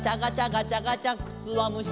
ガチャガチャくつわむし」